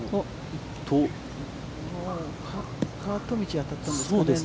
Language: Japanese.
カート道に当たったんですかね。